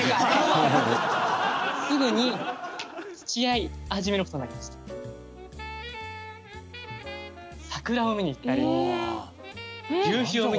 すぐにつきあい始めることになりました。